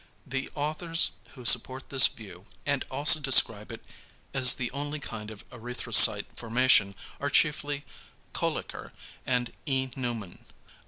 The authors who support this view and also describe it as the only kind of erythrocyte formation are chiefly Kölliker and E. Neumann.